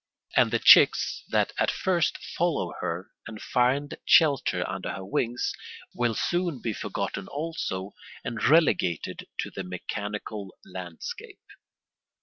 And the chicks that at first follow her and find shelter under her wings will soon be forgotten also and relegated to the mechanical landscape.